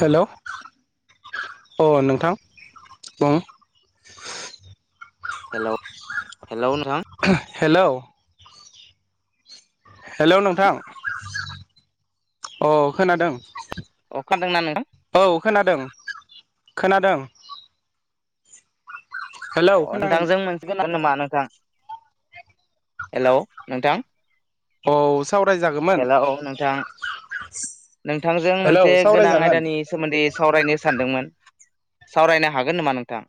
हेल अ नोंथां बुं। Hello hello नोंथां हेलौ हेलौ नोंथां अ खोनादों अ खोनादोंना नोंथां औ खोनादों। खोनादों। हेलौ अ खोनादों नोंथांजों मोनसिगोन आरो नामा नोंथां हेलौ नोंथां औ सावरायजागौमोन हेलौ नोंथां नोंथांजों हेलौ मोनसे गोनां सावरायजागोन आयदानि सोमोन्दै सावरायनो सानदोंमोन सावरायनो हागोन नामा नोंथां?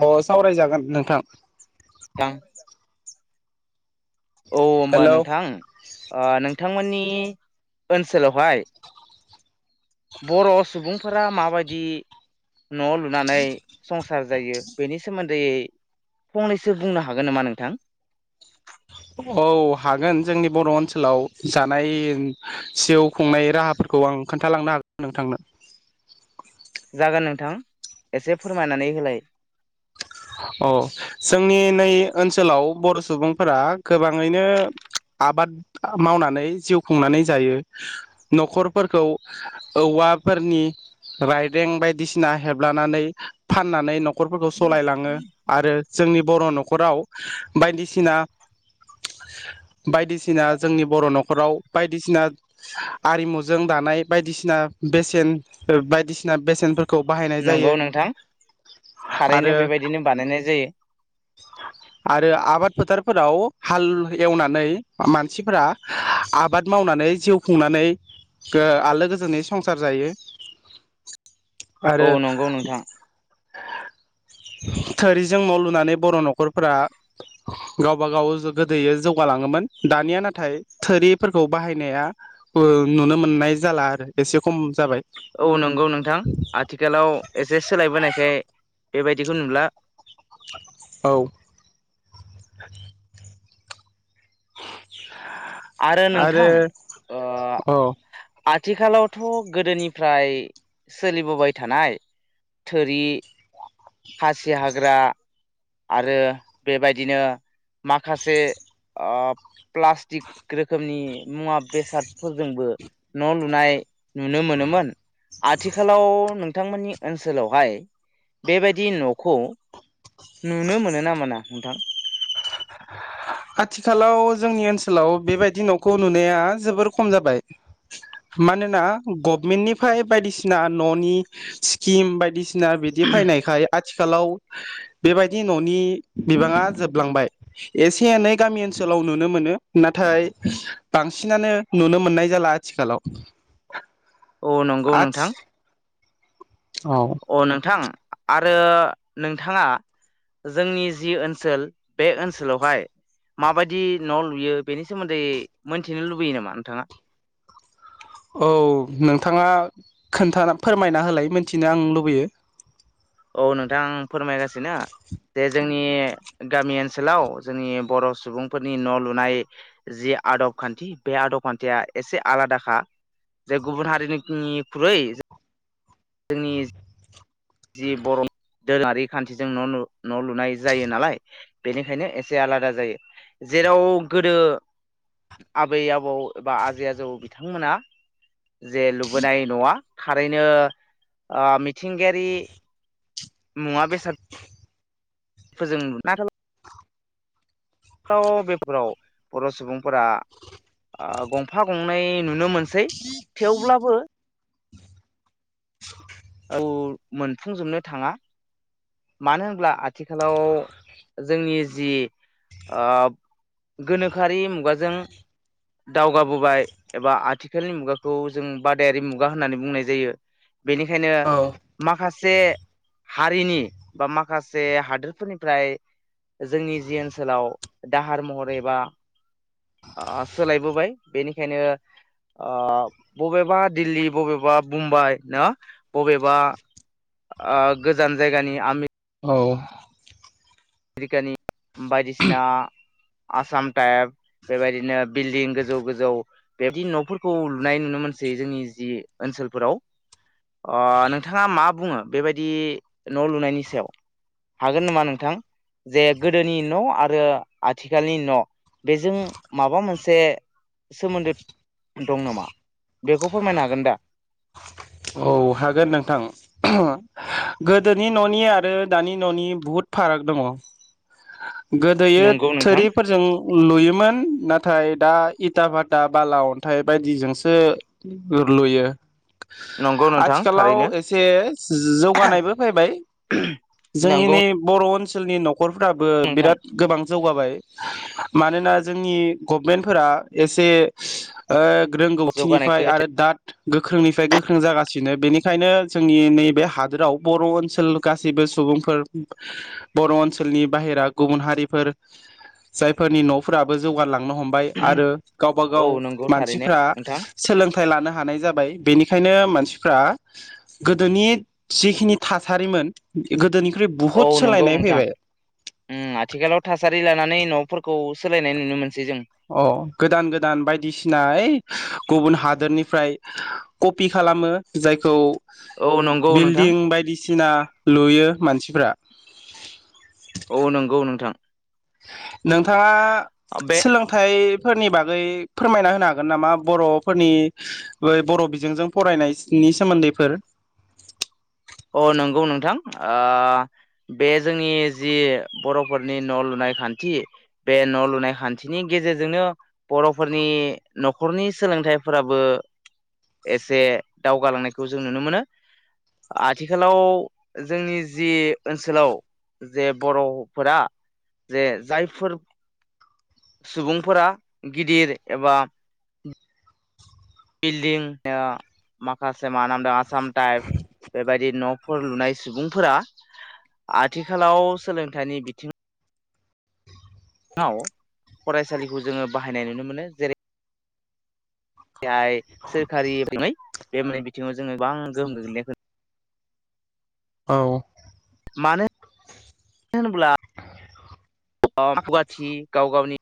अ सावरायजागोन नोंथां। थां औ होमबा हेलौ नोंथां अ नोंथांमोननि ओनसोलावहाय बर' सुबुंफोरा माबायदि न लुनानै संसार जायो। बेनि सोमोन्दै फंनैसो बुंनो हागोन नामा नोंथां? औ हागोन जोंनि बर' ओनसोलाव जानाय जिउ खुंनाय राहाफोरखौ आं खोनथालांनो हागोन नोंथांनो जागोन नोंथां एसे फोरमायनानै होलाय औ जोंनि नै ओनसोलाव बर' सुबुंफोरा गोबाङैनो आबाद मावनानै जिउ खुंनानै जायो न'खरफोरखौ औवाफोरनि रायदें बायदिसिना हेबलानानै फाननानै न खरफोरखौ सलायलां ओं आरो जोंनि बर' नख'राव बायदिसिना बायदिसिना जोंनि बर' नख'राव बायदिसिना आरिमुजों दानाय बायदिसिना बेसेन अ बायदिसिना बेसेनफोर खौ बाहायनाय नंगौ जायो आरो दिनो बानायनाय जायो फोराव हाल एवनानै मानसिफोरा आबाद मावनानै जिउ खुंनानै ओ आलो गोजोनै संसार जायो आरो औ नंगौ नोंथां थोरिजों न' लुनानै बर' न'खरफोरा गावबा गाव गोदोै जौगालाङोमोन दानिया नाथाय थोरिफोरखौ बाहायनाया बो नुनो मोननाय जाला आरो एसे खम जाबाय औ नंगौ नों थां आथिखालाव एसे सोलायबोनायखाय बेबायदिखौ नुला औ आरो नोंथां औ ओ आथिखालावथ' गोदोनिफ्राय सोलिबोबाय थानाय थोरि खासि हाग्रा आरो बेबायदिनो माखासे अ प्लास्टिक रोखोमनि मुवा बेसादफोरजोंबो न' लुनाय नुनो मोनोमोन आथिखालाव नों थांमोननि ओनसोलावहाय बेबायदि न'खौ नुनो मोनो ना मोना नोंथां आथिखालाव जोंनि ओनसोलाव बेबायदि न'खौ नुनाया जोबोर खम जाबाय मानोना गभमेन्टनिफ्राय बायदिसिना न'नि स्किम बायदि सिना बिदि फायनायखाय आथिखालाव बेबायदि न'नि बिबाङा जोबलांबाय एसे एसे एनै गामि ओनसोलाव नुनो मोनो नाथाय बांसिनानो नुनो मोननाय जाला आथिखालाव औ नंगौ आथि नोंथां औ अ नोंथां आरो नोंथाङा जोंनि जि ओनसोल बे ओनसोलावहाय माबायदि न' लुयो बेनि सोमोन्दै मोनथिनो लुबैयो नामा नोंथाङा औ नोंथाङा खोनथा फोरमायना होलाय मिथिनो आं लुबैयो औ नोंथां फोरमायगासिनो जे जोंनि गामि ओनसोलाव जोंनि बर' सुबुंफोरनि न' लुनाय जि आदब खानथि बे आदब खानथिया एसे आलादाखा जे गुबुन हारिनिख्रुइ जोंनि जि बर' दोरोङारि खान्थिजों न' न' लुनाय जायो नालाय बेनिखायनो एसे आलादा जायो जेराव गोदो आबै आबौ एबा आजै आजौ बिथांमोना जे लुबोनाय नवा थारैनो ओ मिथिंगायारि मुवा बेसाद फोरजों बेफोराव बर' सुबुंफोरा अ गंफा गंनै नुनो मोनसै थेवब्लाबो [inaudible] औ मोनफुंजोबनो थाङा मानो होनब्ला आथिखालाव जोंनि जि अ गोनोखोआरि मुगाजों दावगाबोबाय एबा आथिखालनि मुगाखौ जों बादायारि मुगा होननानै बुंनाय जायो। बेनि बेखायनो औ माखा से हारिनि बा माखासे हादोरफोरनिफ्राय जोंनि जि ओनसोलाव दाहार महरै एबा अ सोलायबोबाय बेनिखायनो अ बबेबा दिल्ली बबेबा मुंम्बाइ ना बबेबा आ गोजान जायगानि आमि औ मेरिकानि बायदिसिना आसाम टाइप बेबायदिनो बिल्डिं गोजौ गोजौ बेबदि न'फोरखौ लुनाय नुनो मोनसै जोंनि जि ओनसोलफोराव अ नोंथाङा मा बुङो बेबायदि न' लुनायनि सायाव हागोन नामा नोंथां? जे गोदोनि न' आरो आथिखालनि न' बेजों माबा मोनसे सोमोनदो दं नामा बेखौ फोरमायनो हागोन दा? औ हागोन नोंथां गोदोनि न'नि आरो दानि न'नि बुहुद फाराग दङ। गोदोयो नंगौ नोंथां थोरिफोरजों लुयोमोन। नाथाय दा इथा भाता बाला अनथाइ बायदिजोंसो लुयो। नंगौ। नोंथां थारैनो आथिखालाव एसे जौगानायबो फैबाय जोंनि नंगौ नै बर' ओन सोलनि न' खरफ्राबो नोंथां बिराद गोबां जौगाबाय मानोना जोंनि गभमेन्टफोरा एसे ओह जौगानायखौ रोंगौथिनिफ्राय आरो दा। गोख्रोंनिफ्राय गोख्रों जागा सिनो बेनिखायनो जोंनि नैबे हादोराव बर' ओनसोल गासैबो सुबुंफोर बर' ओनसोलनि बाहेरा गुबुन हारिफोर जायफोरनि न'फोराबो जौगालांनो हमबाय आरो। गावबा औ गाव नंगौ थारैनो मानसिफ्रा नोंथां सोलोंथाइ लानो हानाय जाबाय बेनि बेखायनो मानसि फ्रा गोदोनि जिखिनि थासारिमोन गोदोनि औ नंगौ नोंथां उ आथिखालाव थासारि लानानै न' फोरखौ सोलायनाय नुनो मोन अ गोदान गोदान बायदिसिना ओइ गुबुन हा दोरनिफ्राय कपि खालामो जायखौ। औ नंगौ नोंथां बिल्डिं बायदिसिना लुयो। मानसिफ्रा औ नंगौ नोंथां नोंथांङा बे सोलोंथाइ फोरनि बागै फोरमायना होनो हागोन नामा बर'फोरनि ब बर' बिजोंजों फरायनायनायनि सोमोनदैफोर अ नोंगौ नोंथां ओ बे जोंनि जि बर'फोरनि न' लुनाय खान्थि बे न' लुनाय खान्थिनि गेजेरजोंनो बर'फोरनि न'खरनि सोलोंथाइफोराबो एसे दावगालांनायखौ जों नुनो मोनो। आथिखालाव जोंनि जि ओनसोलाव जे बर'फोरा जे जायफोर सुबुंफोरा गिदिर एबा बिल्दिं ओ माखासे मानामदों आसाम थाइप बेबाय दि न'फोर लुनाय सुबुंफोरा आथिखालाव सोलोंथाइनि बिथिं आव फरायसालिखौ जोङो बाहायनाय नुनो मोनो जेरै हाय सोरखारि बिथिङै बे मोननै बिथिङाव जोङो गोबां गोहोम गोग्लैनायखौ औ मानो [inaudible] ब्ला गुवाथि गाव गावनि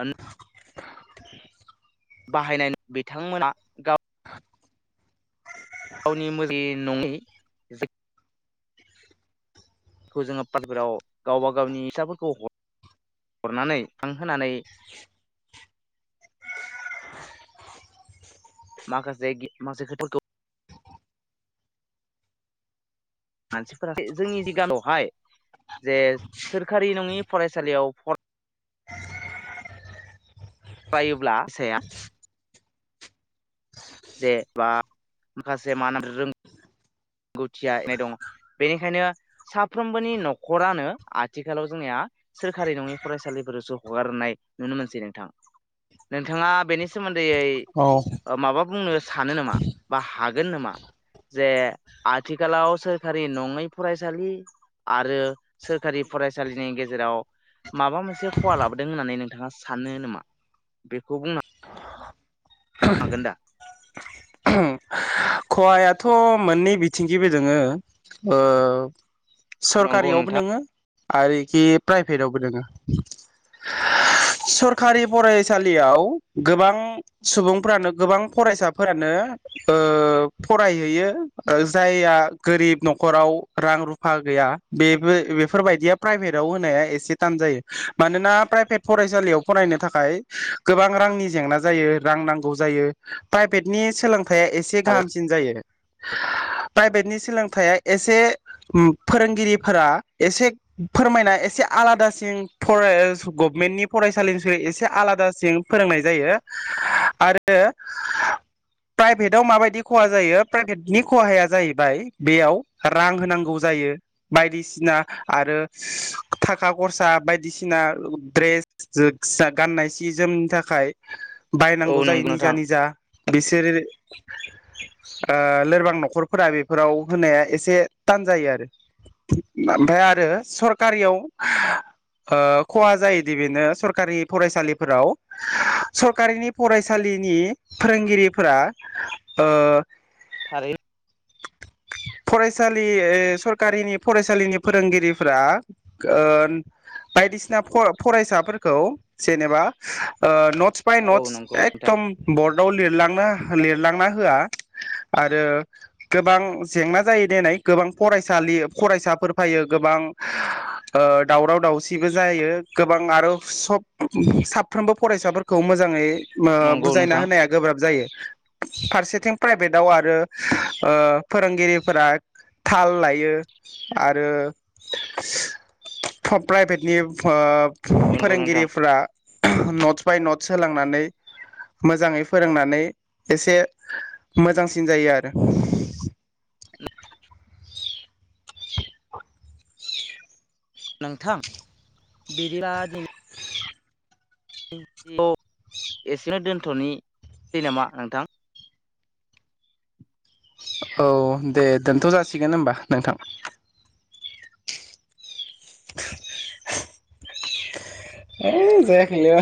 आन बाहायनाय बिथांमोना गाव गावनि [unintelligible] खौ जोङो पारपेराव गावबा गावनि फिसाफोरखौ हरनानै रां होनानै माखासे गि [unintelligible] मानसिफोरा जोंनि जि गामियावहाय जे सोरखारि नङि फरायसालियाव फार फरायोब्ला साया जे बा माखा से मा ना रों [unintelligible] दङ बेनिखायनो साफ्रोमबोनि न'खरानो आथिखालाव जोंनिया सोरखारि नङि फरायसालिफोरावसो हगारनाय नुनो मोनसै नोंथां नोंथाङा बेनि सोमोन दैयै औ ओ माबा बुंनो सानो नामा बा हागोन नामा जे आथिखालाव सोरखारि नङै फरायसालि आरो सोरखारि फरायसालिनि गेजेराव माबा मोनसे खहा लाबोदों होननानै नोंथाङा सानो नोमा बेखौ बुंना हागोन दा खहायाथ' मोननै बिथिंखिबो दोङो ओ। नंगौ सरकारियावबो नोंथां नोङो आरोखि प्राइभेटावबो दोङो सरखारि फरायसालियाव गोबां सुबुंफ्रानो गोबां फरायसाफोरानो ओ फरायहैयो ओ जायहा गोरिब न'खराव रां रुफा गैया बेबो बेफोरबायदिया प्राइभेटआव होनाया एसे थान जायो मानोना प्राइभेट फरायसालियाव फरायनो थाखाय गोबां रांनि जेंना जायो रां नांगौ जायो प्राइभेटनि सोलों थाया एसे थारै गाहाम सिन जायो प्रायभेट नि सोलोंथाइया एसे फोरोंगिरिफोरा एसे फोरमायना एसे आलादासिन फ गभमेन्टनि फरायसालिनिफ्राय एसे आलादा सिन फोरोंनाय जायो। आरो प्राइभेटआव माबायदि खहा जायो प्राइभेटनि खहाया जाहैबाय बेयाव रां होनांगौ जायो बायदिसिना आरो थाखा खरसा बायदिसिना द्रेस [unintelligible] गाननाय सि जोमनि थाखाय औ बायनांगौ जायो नंगौ निजा नोंथां निजा बिसोर ओ लोरबां न'खरफोरा बेफोराव होनाया एसे थान जायो आरो ओमफ्राय आरो सरखारियाव ओ खहा जायोदि बेनो सरखारि फरायसालिफोराव सरकारिनि फरायसालिनि फोरोंगिरिफोरा ओ थारै फराय सालि इ सरकारिनि फरायसालिनि फोरोंगिरिफोरा ओ बायदिसिना फ फरायसाफोरखौ जेनेबा ओ नथ नटस बाय औ नटस नंगौ नोंथां एकदम बर्डआव लिरलाङो। लिरलांना होया आरो गोबां जेंना जायो देनाय गोबां फरायसालि फरायसाफोर फायो गोबां दावराव दावसिबो जायो गोबां आरो सब साफ्रोमबो फरायसाफोरखौ मोजाङै ओ नंगौ बुजायना नोंथां होनाया गोब्राब जायो। फारसेथिं प्राइभेटाव आरो ओ फोरोंगिरिफोरा थाल लायो आरो फ प्राइभेटनि ओ नंगौ नोंथां फोरोंगिरिफ्रा नट्स बाय नट्स होलांनानै मोजाङै फोरोंनानै एसे मोजांसिन जायो आरो। [inaudible] [inaudible] नोंथां बिदिला दिनै अ एसेनो दोन्थनिसै नामा नोंथां? औ दे दोनथ जासिगोन होमबा नोंथां। है जायाखैलै